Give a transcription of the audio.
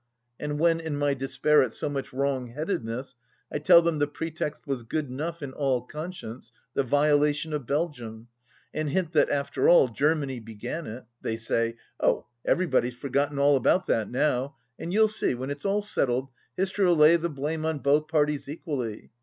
And when, in my despair at so much wrongheadedness, I tell them the pretext was good enough in all conscience, the violation of Belgium, and hint that, after all, Germany began it, they say :" Oh, everybody's forgotten all about that now, and you'll see when it's all settled, history'll lay the blame on both parties equally."